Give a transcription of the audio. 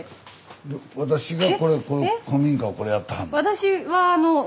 私がこれ古民家をこれやってはんの？